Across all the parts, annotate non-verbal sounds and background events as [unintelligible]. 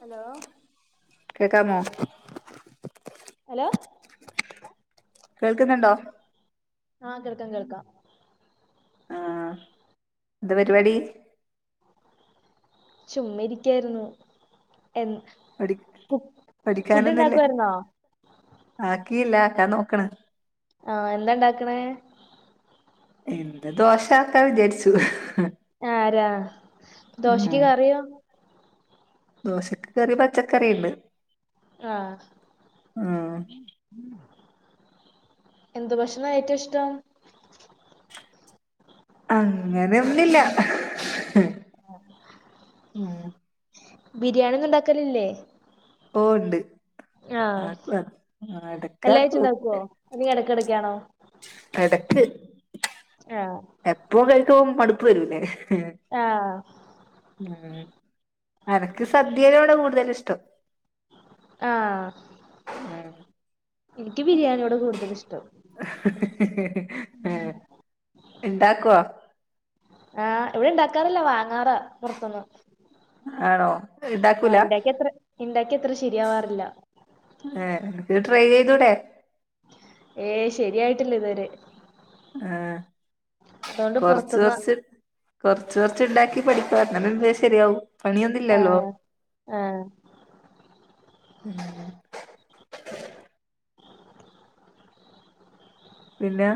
Hello കേക്കാമോ hello കേൾക്ക്ന്നൊണ്ടോ ആഹ് കേൾക്കാം കേൾക്കാം ആഹ് എന്താ പരിപാടി ചുമ്മെരിക്കായിരുന്നു എന് പഠി കു ഫുഡ് പഠിക്കാനൊന്നില്ലേ ഉണ്ടാക്കുവായിരുന്നോ ആക്കിയില്ല ആക്കാൻ നോക്കണ് ആഹ് എന്താണ്ടാക്കണേ ഇന്ത്‌ ദോശക്കാ വിചാരിച്ചു ഹ്ഹ് ആരാ ദോശക്ക് കറിയോ ദോശക്ക് കറി പച്ചക്കറി ഉണ്ട് ആഹ് ഉം എന്തു ഭക്ഷണാ ഏറ്റോഷ്ടം അങ്ങനൊന്നില്ല ആഹ് ഉം ബിരിയാണിന്നുണ്ടാക്കലില്ലേ ഓ ണ്ട് ആഹ് എല്ലാ ആഴ്ച എടക്കാക്കു ഉണ്ടാക്കുവോ അതി ഇടക്കിടക്കാണോ എടക്ക് ആഹ് എപ്പൊ കഴിക്കുമ്പം മടുപ്പ് വരൂല്ലേ ആഹ് ഉം അനക്ക് സദ്യയിലോട കൂടുതല്ഷ്ടം ആഹ് ഉം ഇനിക്ക് ബിരിയാണിയോട് കൂടുതലിഷ്ടം ഹ്ഹ്ഹ്ഹ്ഹ ആ ഇണ്ടാക്കുവൊ ആഹ് ഇവിടെണ്ടാക്കാറില്ല വാങ്ങാറാ പൊറത്തുന്ന് ആണോ ആ ഇണ്ടാക്കൂല ഇണ്ടാക്ക്യാത്ര ഇണ്ടാക്ക്യാത്ര ശരിയാവാറില്ല ഏ ഇനി ട്രൈയ്തൂടെേ ഏയ് ശരിയായിട്ടില്ലിതുവരെ ആഹ് അതുകൊണ്ട് കൊറച്ച് പുറത്തുന്ന് കൊച്ച് കൊറച്ച് കൊറച്ച്ണ്ടാക്കി പഠിക്കുവ അങ്ങനെ ശെരിയാവും പണിയൊന്നുംല്ലല്ലോ ആഹ് ആഹ് ഉം പിന്നെ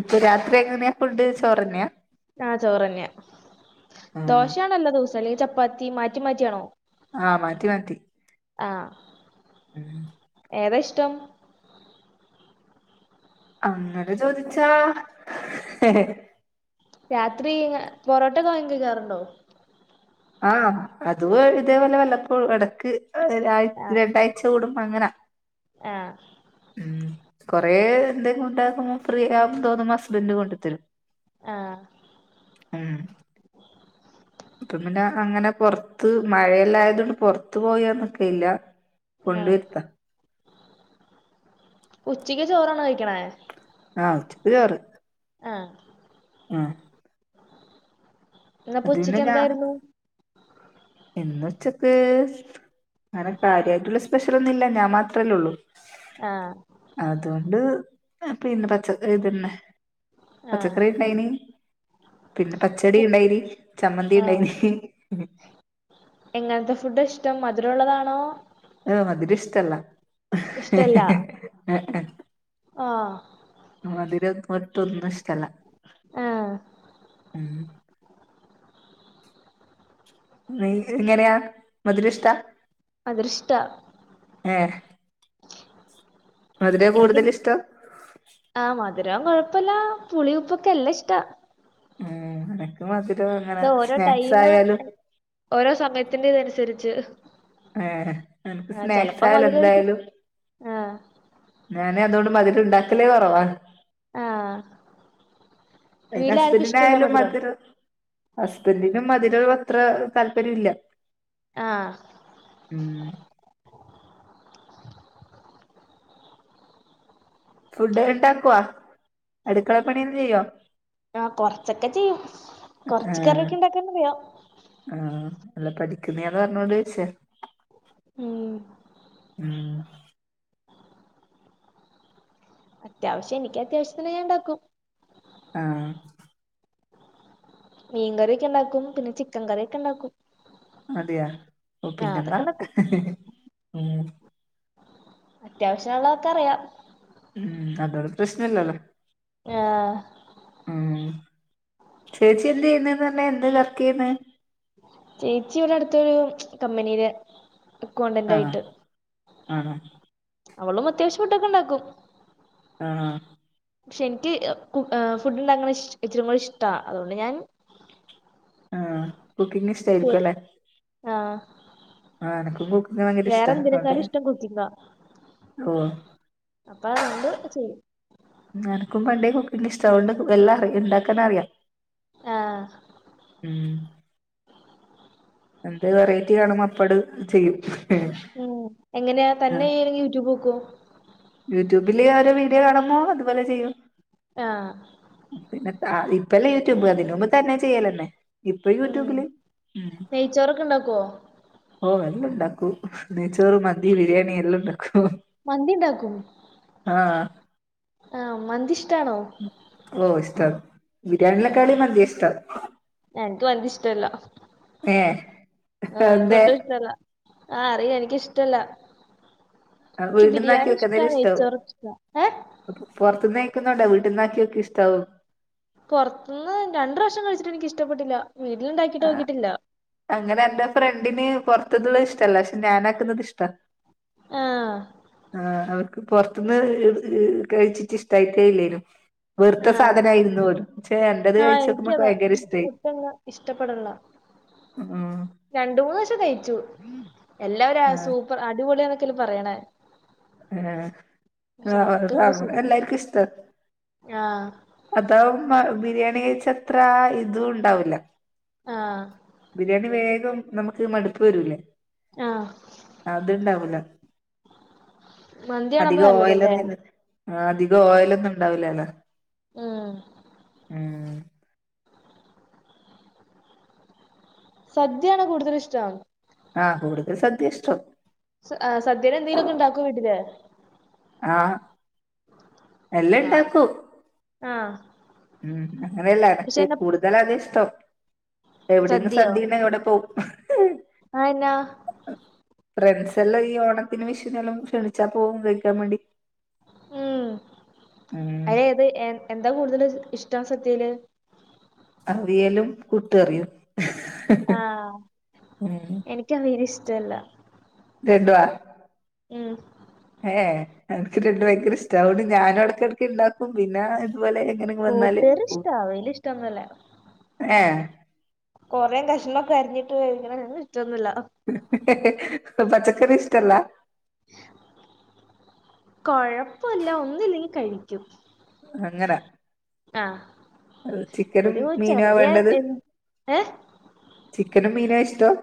ഇപ്പൊ രാത്രി എങ്ങനെയാ ഫുഡ് ചോറന്നാ ആ ചോറന്നെയ ആഹ് ദോശയാണല്ലോ ദിവസം അല്ലെങ്കി ചപ്പാത്തി മാറ്റി മാറ്റിയാണോ ആഹ് മാറ്റി മാറ്റി ആഹ് ഉം ഏതായിഷ്ടം അങ്ങനെ ചോദിച്ചാ ഹ്ഹ് രാത്രി പൊറോട്ടെക്കെ വാങ്ങികയ്ക്കാറുണ്ടോ ആഹ് അതു ഏ ഇതേപോലെ വല്ലപ്പോഴു എടക്ക് ഒരാഴ്‌ ആഹ് രണ്ടാഴ്ച കൂടുമ്പ അങ്ങനാ ആഹ് ഉം കൊറെ എന്തെക്ക ഉണ്ടാക്കുമ്പോ പ്രിയെന്ന് തോന്നും ഹസ്ബന്ഡ് കൊണ്ടു തരും ആഹ മ്മ്ഹ് അത പിന്നെ അങ്ങനെ പൊറത്ത് മഴയല്ലായത കൊണ്ട് പുറത്ത് പോയന്നൊക്കെ ഇല്ല കൊണ്ടു ആഹ് എത്ത ഉച്ചയ്ക്ക് ചോറാണ് കഴിക്കണേ ആഹ് ഉച്ചക്ക് ചോറ് ആഹ ആഹ ഇന്ന് അത് ഉച്ചക്ക് എന്തായിരുന്നു എന്ന ഉച്ചക്ക് അങ്ങനെ കാര്യമായിട്ടുള്ള സ്പെഷൽന്നുമല്ല ഞാൻ മാത്രമല്ലേ ഉള്ളൂ ആഹ അതുകൊണ്ട് പിന്നെ പച്ചകറി ഇതന്നെ ആഹ് പച്ചക്കറി ഉണ്ടായിന് പിന്നെ പച്ചടി ഉണ്ടായിന് ചമ്മന്തി ആഹ് ഉണ്ടായിന് എങ്ങനത്തെ ഫുഡ് ഇഷ്ടം മധുരം ഉള്ളതാണോ ആഹ മധുരം ഇഷ്ടല്ല ആഹ ആ അത് മധുരം ഒട്ടു ഒന്ന ഇഷ്ട അല്ല ആഹ ന ഇങ്ങനെയാ മധുരഷ്ട മധുരം ഇഷ്ടാ ഏ മധുര എനിക്ക് കൂടുതൽ ഇഷ്ടം ആഹ് മധുരം കുഴപ്പമില്ല പുളി ഉപ്പൊക്കെ എല്ലാം ഇഷ്ട ഉ എനക്ക് മധുരം അങ്ങനെ അത് ഓരോ സ്നാക്സ് ടൈമ് ആയാലും ഓരോ സമയത്തിന്റെ ഇതനുസരിച്ച് ഏ എനക്ക് സ്നാക്സ് ആയാലും എന്തായാലും ആഹ ഞാൻ അതുകൊണ്ട് മദൂരം ഉണ്ടാക്കലേ കുറവാ ആ പിന്നേ വീട്ടിലാർക്കും ഇഷ്ടല്ല ഹസ്ബൻറിനായാലും മധുരം മധുർ ഹസ്ബന്റിനും മധുരം അത്ര താല്പര്യല്ല ആഹ് ഉം. ഫുഡ് ഉണ്ടാക്കുമോ? അടുക്കളപ്പണിഒക്കെ ചെയ്യോ? ആ കൊറച്ചൊക്കെ ചെയ്യും. കൊറച്ച് കറിയൊക്കെ ഉണ്ടാക്കാൻ അറിയാം. ആ അല്ല പഠിക്കുന്നതാന്ന് പറഞ്ഞോണ്ട് ചോദിച്ചയാ. ഉം അത്യാവശ്യ എനിക്ക് അത്യാവശ്യത്തിനു ഞാൻ ഉണ്ടാക്കും. ആഹ് മീൻ കറിയൊക്കെ ഉണ്ടാക്കും. പിന്നെ ചിക്കൻ കറിയൊക്കെ ഉണ്ടാക്കും. അതെയോ ഓ പിന്നെന്താ? അതൊക്കെ ഇണ്ടാക്കും ഉം. അത്യാവശ്യം ഉള്ളതൊക്കെ അറിയാം. ഉം. അതുകൊണ്ട് പ്രശ്നമില്ലല്ലോ? ആഹ് ചേച്ചി എന്ത് ചെയ്യുന്നന്ന് പറഞ്ഞേ എന്താവർക്ക് ചെയ്യുന്നേ? ചേച്ചി ഇവിടെ അടുത്തൊരു കമ്പിനിയില് അക്കൗണ്ടന്റ് ആയിട്ട്. ആ ഹാ അവളും അത്യാവശ്യം ഫുഡ് ഒക്കെ ഉണ്ടാക്കും. ആഹ് പക്ഷെ എനിക്ക് ഫുഡ് ഉണ്ടാക്കുന്നത് ഇശ് ഇച്ചിരികൂടി ഇഷ്ടവാ അതുകൊണ്ട് ഞാൻ ആ കുക്കിംഗ ഇഷ്ടമായിരിക്കും അല്ലെ ആഹ് ആ എനക്കും ബുക്ക് ഭയങ്കര ഇഷ്ടാ അവര്ടെ ഇഷ്ടം കുക്കിംഗാ ഓ അപ്പൊ അതൊണ്ട് ചെയ്യും. എനക്കും പണ്ടേ കുക്കിങ് ഇഷ്ട്ട [unintelligible] എല്ലാംഅറി ഇണ്ടാക്കാൻ അറിയാ ആഹ് ഉം എന്ത് വെറെറ്റി കാണുമ്പോ അപ്പട് ചെയ്യും. ഉം. എങ്ങനെയാ തന്നെ ആഹ് [unintelligible] യൂട്യൂബ് നോക്കൊ യൂട്യൂബില് ഞാൻ ഒരു വീഡിയോ കാണുമ്പോ അതുപോലെ ചെയ്യും. ആഹ് പിന്നെത്താ ഇപ്പല്ലേ യൂട്യൂബ് അതിനു മുമ്പ് തന്നെ ചെയ്യലന്നെ. ഇപ്പ ഉം യൂട്യൂബില്. ഉം. നെയ്ച്ചോറൊക്കെ ഇണ്ടാക്കോ ഓ എല്ലം ഉണ്ടാക്കൂ. നെയ്ച്ചോറ് മന്തി ബിരിയാണി എല്ലം ഉണ്ടാക്കും. മന്തി ണ്ടാക്കും. ആഹ് ആ മന്തി ഇഷ്ടാണോ ഓ ഇഷ്ടാണ് ബിരിയാണ്ലക്കാളി മന്തിയ ഇഷ്ടം എൻക്ക് മന്തി ഇഷ്ടല്ല. ഏഹ് ആ എൻക്ക് അതെന്തേ ഒട്ടും ഇഷ്ടല്ല. ആ അറിയാം. എനിക്കിഷ്ടല്ല. ക്കി വീട്ട്ന്നാക്കി ബിരിയാണി ഇഷ്ടാ നെയ്ച്ചോറ് ഇഷ്ടാ ഏ പൊർത്ത്ന്ന് കഴിക്കുന്ന കൊണ്ടാ വീട്ടിന്നാക്കിയോക്ക് ഇഷ്ടാവും. പൊർത്ത്ന്ന് രണ്ടുപ്രാവശ്യം കഴിച്ചിട്ട് എനിക്ക് ഇഷ്ടപ്പെട്ടില്ല. വീട്ടില് ഇണ്ടാക്കിട്ട് ആഹ് നോക്കിട്ടില്ല. അങ്ങനെ എന്റെ ഫ്രണ്ടിന് പൊർത്ത്ന്ന്ള്ള ഇഷ്ടല്ല. പക്ഷെ ഞാനാക്കുന്നത് ഇഷ്ടാ. ആഹ് ആ അവ പൊർത്ത്ന്ന് കഴിച്ചിട്ട് ഇഷ്ടായിട്ടെ ഇല്ലേനു. വെറുത്ത ആഹ് സാധനായിരുന്നു പോലും പക്ഷെ എന്റേത് കഴിച്ചപ്പം [unintelligible] ഭയങ്കര ഇഷ്ടായി. ഇഷ്ടപ്പെട്ണ്ള്ള ഉം. രണ്ടു മൂന്ന് പ്രാവശ്യം കഴിച്ചു എല്ലാവരു ആഹ് സൂപ്പർ അടിപൊളിയാന്നൊക്കല്ലേ പറയണേ ഉം പക്ഷെ ആ നമുക്കങ്ങനെ അതാകും ശരിയാവുന്നില്ല എല്ലാർക്കും ഇഷ്ടാ ആഹ് അപ്പം ബിരിയാണി കഴിച്ച അത്ര ഇതും ഇണ്ടാവൂല ആഹ് ബിരിയാണി വേഗം നമുക്ക് മടുപ്പ് വരൂലെ ആഹ് അത്ണ്ടാവൂല മന്തിയാണപ്പൊ അധികം ഓയല നല്ലതല്ലേ [unintelligible] അധികം ഓയലൊന്നുംണ്ടാവൂല ല്ലോ ഉം സദ്യയാണ് കൂടുതലഷ്ടം ആഹ് കൂടുതൽ സദ്യഷ്ട്ടം എഹ് സദ്യലുന്തെങ്കിലൊക്കെ ണ്ടാക്കോ വീട്ടില് ആഹ് ആഹ് എല്ലണ്ടാക്കും ആഹ് ഉം അങ്ങനെയല്ല പക്ഷെ എടക്ക് എന്നാ കൂടു [unintelligible] ഇഷ്ടം എവിടെന്ന് സദ്യണെങ്കിവടെ പോവും ആയെന്ന ഫ്രണ്ട്സ ല്ലാം ഈ ഓണത്തിന് വിഷുനെല്ലാം ക്ഷണിച്ചാൽ പോവും കഴിക്കാൻ വേണ്ടി ഉം അയെത് എ എന്താ കൂടുതല് ഇഷ്ടം സദ്യയില് അവിയലും കൂട്ട്കറിയും ഉം ക്കവിയല് ഇഷ്ടല്ല [unintelligible] ഉം ഏ എൻക്ക് ലഡു ഭയങ്കര ഇഷ്ടാ അതുകൊണ്ട് ഞാനും ഇടക്കട്ക്ക്‌ ഇണ്ടാക്കും പിന്നെ ഇതു പോലെ എങ്ങനെ കൂട്ട് വന്നാല് കറി പോവും. ഇഷ്ടാ അവിയല് ഇഷ്ട്ടോന്നല്ല ഏഹ് കൊറെ കഷ്ണോക്കെ അരിഞ്ഞിട്ട് ങ്ങെനെ ഇഷ്ടൊന്നുല്ല പച്ചക്കറി ഇഷ്ടല്ല കൊഴപ്പോല്ല ഒന്നുല്ലേങ്കി കഴിക്കും അങ്ങനെ ആഹ് അഹ് ചിക്കനും ഒരു മീനാ ചെറിയ വേണ്ടത് എന്ത് ഏഹ് ചിക്കനും മീനോ ഇഷ്ട്ടം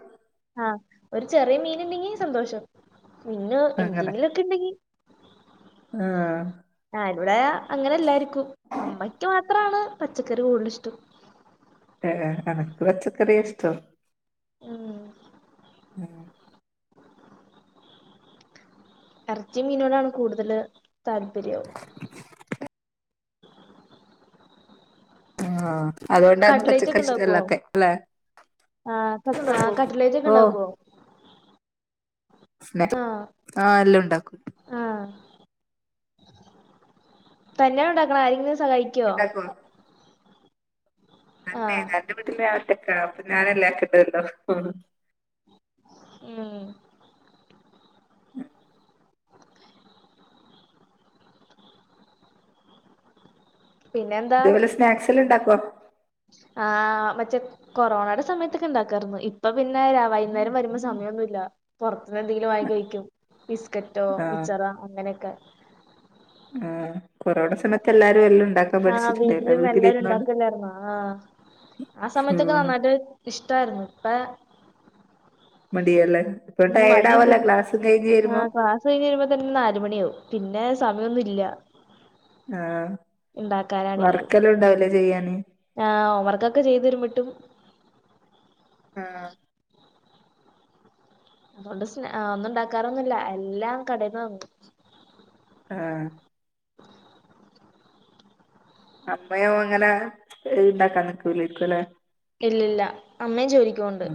ആഹ് ഒരു ചെറിയ മീന്ണ്ടെങ്കിൽ സന്തോഷം പിന്നെ അങ്ങനെ എന്തെങ്കിലോക്കെ ണ്ടെങ്കി ആ ഞാനിവിടെ അങ്ങനെ എല്ലാരിക്കും അമ്മയ്ക്ക് മാത്രണ് പച്ചക്കറി കൂടുതലിഷ്ടം ഏഹ് അനക്ക പച്ചക്കറിഇഷ്ട ഉം ഉം ഇറച്ചി മീനോടാണ് കൂടുതല് താല്പര്യം ആഹ് അതോണ്ടാണ് കട്ട്ലേറ്റ് ഒക്കെ പച്ചക്കറി ഇണ്ടാക്കോ ഷ്ടമല്ലാത്തെ ലെ ആഹ് കട് ആഹ് കട്ട്ലേറ്റ് ഒക്കെ ഓഹ് ഇണ്ടാക്കോ സ്‌നേച്ചു ആഹ് ആഹ് ല്ലോം ണ്ടാക്കും ആഹ് തന്നെ ഉണ്ടാക്കണോ ആരെങ്കിലും സഹായിക്ക്യോ ഉണ്ടാക്കോ ആഹ് [unintelligible] ഉം പിന്നെന്താ അതേപോലെ സ്നാക്സെല്ലാ ണ്ടാക്കോ ആഹ് മച്ച കൊറോണയുടെ സമയത്തൊക്കെ ണ്ടാക്കാരുന്നു ഇപ്പൊ പിന്നെ വൈന്നേരം വരുമ്പോ സമയോന്നുല്ല പുറത്തുന്ന്ന്തെങ്കിലും വാങ്ങി കഴിക്കും ബിസ്കറ്റോ ആ മിച്ചറോ അങ്ങനെയൊക്കെ ആഹ് കൊറോണ സമയത്ത് എല്ലാരും എല്ലു ഉണ്ടാക് ആഹ് വീട്ടില് എല്ലരും ഉണ്ടാക്കലായിരുന്നോ ആഹ് ആ സമയത്തൊക്കെ ഉം നന്നായിട്ട് ഇഷ്ടമായിരുന്ന പ്പ മടിയല്ലേ ഇപ്പൊ ഉം ടയർഡാവല്ലേ ക്ലാസ്സ് കഴിഞ് വരുമ്പോ പയ്ഞ് വരുമ്പോ തന്നെ നാലുമണിയാവും പിന്നെ സമയോന്നുല്ല ആഹ് വർക്കെല്ലാം ണ്ടാവൂലെ ചെയ്യാന് ആഹ് ഹോംവർക്കൊക്കെ ചെയ്തരുമ്പട്ടും ആഹ് രണ്ടോസ്സ്ന് ആഹ് ഒന്നും ണ്ടാക്കാറൊന്നും ഇല്ല എല്ലാം കടേന്ന് വാങ്ങും ആഹ് അമ്മയോ അങ്ങനാ ഇണ്ടാക്കാൻ നിക്കൂലാരിക്കുംലെ ഇല്ലില്ല അമ്മേം ജോലിക്ക് പോണുണ്ട്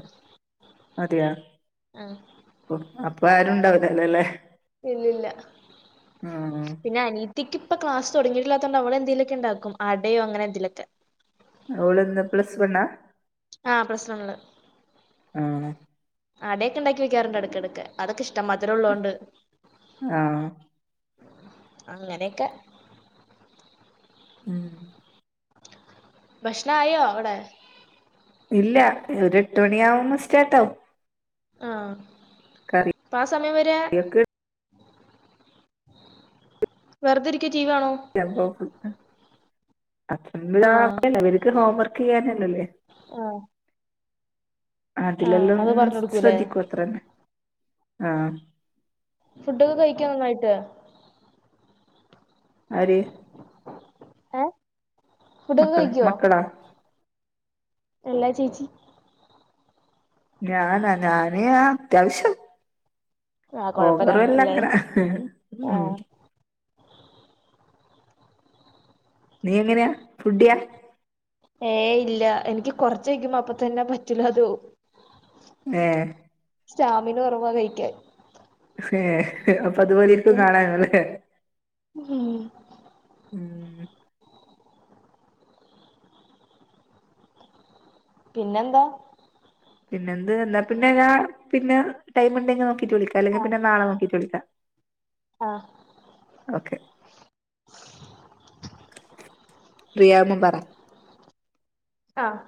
ഉം ഓഹ് അപ്പ ആരുണ്ടാവൂലല്ലേല്ലെ ഇല്ലില്ല പിന്ന അനീ രിക്കിപ്പ ക്ലാസ് തൊടങ്ങയിട്ടില്ലാത്തോണ്ട് അവളെ എന്തേലൊക്കെ ഇണ്ടാക്കും അടയോ അങ്ങനെ എന്തേലൊക്ക അവളന്ന് പ്ലസ് വണ്ണാ ആഹ് പ്ലസ് വണ്ണില് ആഹ് അടേക്കെ ഇണ്ടാക്കി വെക്കാറണ്ട് എടക്കെടക്ക് അതൊക്കെ ഇഷ്ടാ മധുരോള്ളോണ്ട് ആഹ് അങ്ങനേക്ക ഉം ഭക്ഷണായോ അവടെ ഇല്ല ഒര് എട്ട് മണിയാവുമ്പോ സ്റ്റാർട്ടാവും ആഹ് പ്പാ സമയം വരെ കറിയൊക്കെ വെറുതെരിക്കെ ടിവിയാണു [unintelligible] [unintelligible] ആഹ് അവരക്ക് ഹോം വർക്ക് ചെയ്യാനല്ലല്ലേ ആഹ് ആഹ് അതിലെല്ലാം അത് ഒന്ന് പറഞ്ഞ് കൊടുക്കൂല്ലേ ശ്രദ്ധിക്കും അത്രന്നെ ആഹ് ഫുഡൊക്ക കഴിക്കോ നന്നായിട്ട് ആര് ഏഹ് ഫുഡൊക്കെ മക്കള കഴിക്കോ മക്കളാ എല്ലാ ചേച്ചി ഞാനാ ഞാന് ആ അത്യാവശ്യം ആഹ് ഓവറൂ കൊഴപ്പല്ലാന്ന് അല്ല അല്ലേ അങ്ങനെ ഉം ആഹ് നീ എങ്ങനെയാ ഫുഡിയാ ഏയ് ഇല്ല എനിക്ക് കൊറച്ചയ്ക്കുമ്പോ അപ്പ തന്നെ പറ്റൂല അത് ഏഹ് സ്റ്റാമിന കൊറവാ കയിക്കാൻ ഏഹ് അപ്പ അതുപോലെ ഇരിക്കും കാണാനും അല്ലേ ഉം ഉം പിന്നന്താ പിന്നെന്ത് എന്താ പിന്നെ ഞാൻ പിന്ന ടൈം ഉണ്ടെങ്കി നോക്കിട്ട് വിളിക്കാം അല്ലെങ്കി പിന്ന നാളെ നോക്കിട്ട് വിളിക്കാം ആഹ് ഓകെ ഫ്രീ ആകുമ്പം പറ ആഹ്